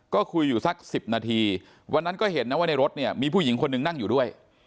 ก็คุยอยู่สัก๑๐นาทีวันนั้นก็เห็นนะว่าในรถเนี่ยมีผู้หญิงคนหนึ่งนั่งอยู่ด้วย